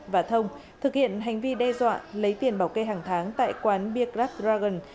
và thông thực hiện hành vi đe dọa lấy tiền bảo cây hàng tháng tại quán biagrat dragon